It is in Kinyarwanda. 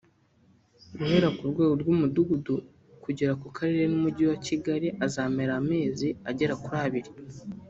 guhera ku rwego rw’umudugudu kugera ku karere n’umujyi wa Kigali azamara amezi agera kuri abiri